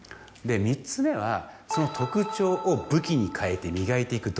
３つ目はその特徴を武器に変えて磨いていく努力。